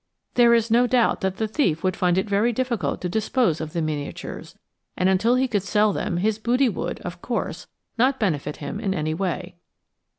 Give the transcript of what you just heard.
There is no doubt that the thief would find it very difficult to dispose of the miniatures, and until he could sell them his booty would, of course, not benefit him in any way.